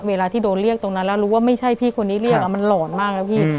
เวลาที่โดนเรียกตรงนั้นแล้วรู้ว่าไม่ใช่พี่คนนี้เรียกมันหลอนมากนะพี่